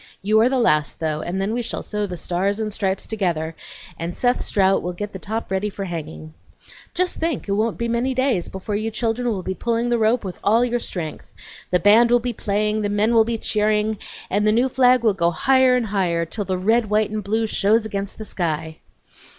You are the last, though, and then we shall sew the stars and stripes together, and Seth Strout will get the top ready for hanging. Just think, it won't be many days before you children will be pulling the rope with all your strength, the band will be playing, the men will be cheering, and the new flag will go higher and higher, till the red, white, and blue shows against the sky!"